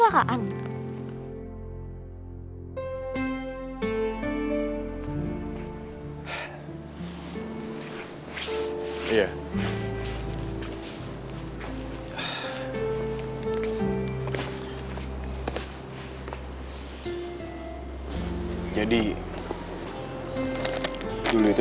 pernah t attorneys ya gue mu